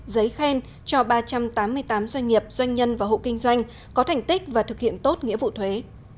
giấy khen cho ba trăm tám mươi tám doanh nghiệp doanh nhân và hộ kinh doanh có thành tích và thực hiện tốt nghĩa vụ thuế